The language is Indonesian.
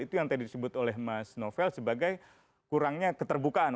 itu yang tadi disebut oleh mas novel sebagai kurangnya keterbukaan